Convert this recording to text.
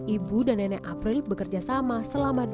ibu dan nenek april bekerja sama selama dua puluh empat jam penuh